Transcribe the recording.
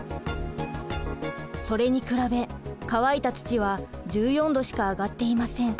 それに比べ乾いた土は１４℃しか上がっていません。